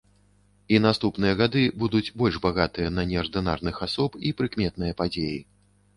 І наступныя гады будуць больш багатыя на неардынарных асоб і прыкметныя падзеі.